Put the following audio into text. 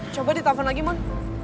coba di telfon lagi man